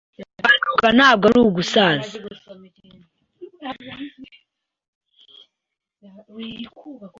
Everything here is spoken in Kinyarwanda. Kuganduka ntabwo ari ugusasa,